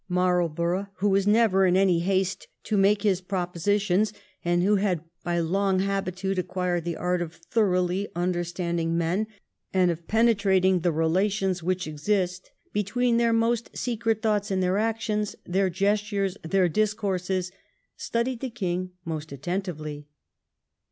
Marlborough, who was never in any haste to make his propositions, and who had by long habitude acquired the art of thoroughly understanding men and of penetrating the relations which exist between their most secret thoughts, their actions, their gestures, their dis courses, studied the King most attentively.'